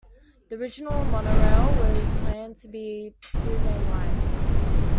The original monorail was planned to be two main lines.